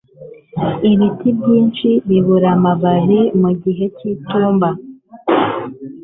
ibiti byinshi bibura amababi mugihe cyitumba